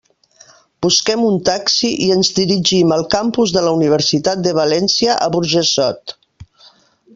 Busquem un taxi i ens dirigim al Campus de la Universitat de València, a Burjassot.